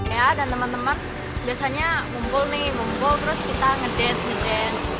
ya dan teman teman biasanya ngumpul nih ngumpul terus kita ngedance ngedes